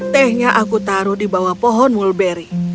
tehnya aku taruh di bawah pohon mulberry